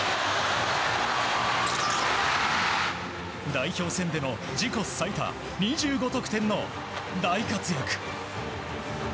代表戦での自己最多２５得点の大活躍。